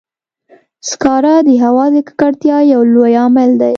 سکاره د هوا د ککړتیا یو لوی عامل دی.